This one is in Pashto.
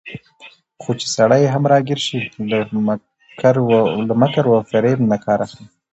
خو چې سړى هم راګېر شي، له مکر وفرېب نه کار اخلي